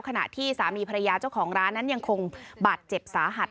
ขณะที่สามีภรรยาเจ้าของร้านนั้นยังคงบาดเจ็บสาหัส